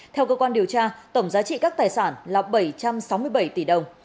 theo cơ quan điều tra tổng giá trị các tài sản là bảy trăm sáu mươi bảy tỷ đồng